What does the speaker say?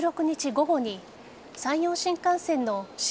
午後に山陽新幹線の新